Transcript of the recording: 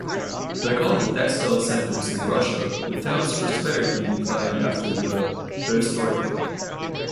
Like all the textile centers in Russia, the town's prosperity declined after the perestroika.